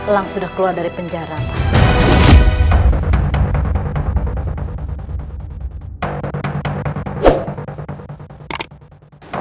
lang sudah keluar dari penjara ma